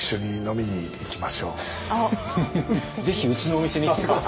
ぜひうちのお店に来て下さい。